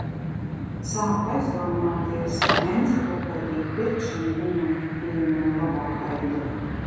Sāku aizdomāties, vai enciklopēdiju pirkšana viņam bija mana labākā ideja.